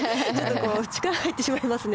力が入ってしまいますね。